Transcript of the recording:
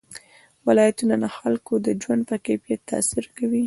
ولایتونه د خلکو د ژوند په کیفیت تاثیر کوي.